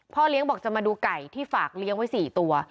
เลี้ยงบอกจะมาดูไก่ที่ฝากเลี้ยงไว้๔ตัว